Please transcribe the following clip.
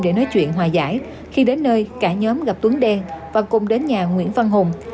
để nói chuyện hòa giải khi đến nơi cả nhóm gặp tuấn đen và cùng đến nhà nguyễn văn hùng